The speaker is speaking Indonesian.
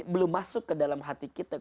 belum masuk ke dalam hati kita